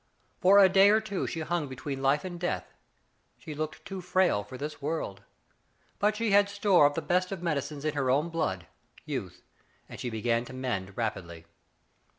For a day or two she hung between life and death. She looked too frail for this world. But she had store of the best of medicines in her own blood — ^youth — and she began to mend rapidly.